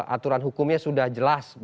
aturan hukumnya sudah jelas